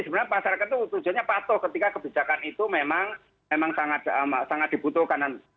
sebenarnya masyarakat itu tujuannya patuh ketika kebijakan itu memang sangat dibutuhkan